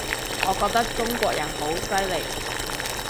我覺得中國人好犀利